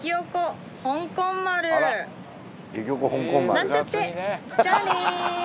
なんちゃってじゃあね